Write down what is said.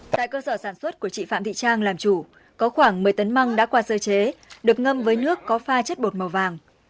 tại cơ sở sản xuất của chị phạm thị trang làm chủ có khoảng một mươi tấn măng đã qua sơ chế được ngâm với nước có pha chất bột màu vàng